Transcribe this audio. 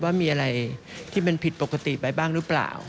ว่ามีอะไรที่มันผิดปกติไปบ้างหรือเปล่า